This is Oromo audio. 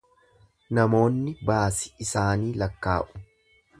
Namoonni baasi isaanii lakkaa’u.